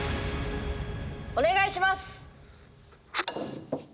お願いします！